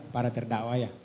para terdakwa ya